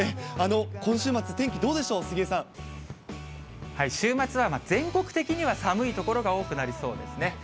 今週末、天気、どうでしょう、週末は全国的には寒い所が多くなりそうですね。